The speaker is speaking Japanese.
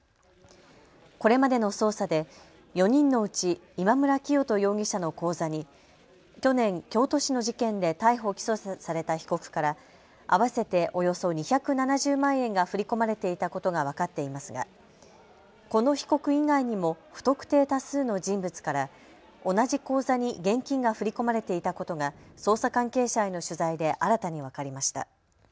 これまでの捜査で４人のうち今村磨人容疑者の口座に去年、京都市の事件で逮捕・起訴された被告から合わせておよそ２７０万円が振り込まれていたことが分かっていますがこの被告以外にも不特定多数の人物から同じ口座に現金が振り込まれていたことが捜査関係者への取材で新たに分かりました。